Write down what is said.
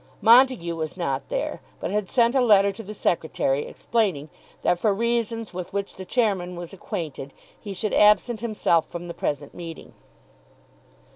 Montague was not there, but had sent a letter to the secretary explaining that for reasons with which the chairman was acquainted he should absent himself from the present meeting.